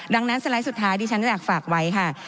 ดังนั้นสไลด์สุดท้ายที่ฉันจะอยากฝากไว้ค่ะ